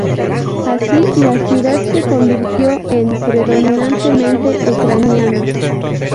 Así, la ciudad se convirtió en predominantemente ucraniana.